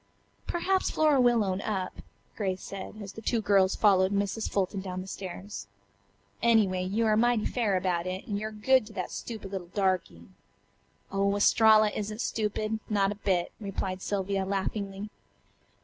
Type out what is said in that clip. "Perhaps Flora will own up," Grace said, as the two girls followed Mrs. Fulton down the stairs. "Anyway, you are mighty fair about it, and you're good to that stupid little darky." "Oh, Estralla isn't stupid. Not a bit," replied Sylvia laughingly.